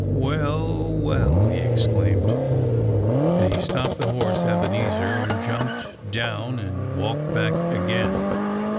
"Well! well!" he exclaimed. And he stopped the horse Ebenezer and jumped down and walked back again.